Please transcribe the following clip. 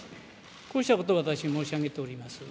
こうしたことを私申し上げております。